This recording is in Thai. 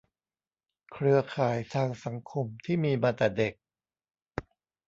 เครือข่ายทางสังคมที่มีมาแต่เด็ก